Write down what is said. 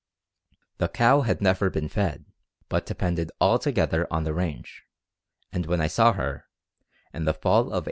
"The cow had never been fed, but depended altogether on the range, and when I saw her, in the fall of 1883.